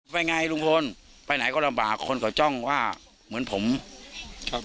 ไปไงลุงพลไปไหนก็ลำบากคนก็จ้องว่าเหมือนผมครับ